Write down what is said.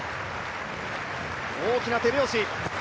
大きな手拍子。